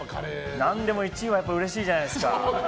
何でも１位はやっぱりうれしいじゃないですか。